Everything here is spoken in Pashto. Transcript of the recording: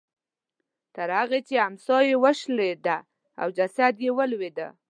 تر هغې چې امسا یې وشړېده او جسد یې ولوېد.